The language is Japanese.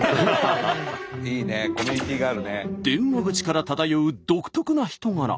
電話口から漂う独特な人柄。